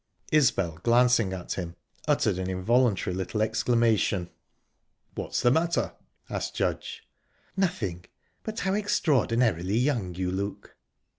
Isbel, glancing at him, uttered an involuntary little exclamation. "What's the matter?" asked Judge. "Nothing but how extraordinarily young you look!"